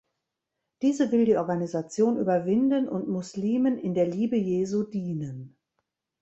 Diese will die Organisation überwinden und Muslimen "in der Liebe Jesu dienen".